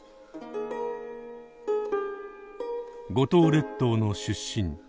五島列島の出身。